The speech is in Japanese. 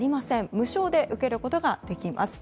無償で受けることができます。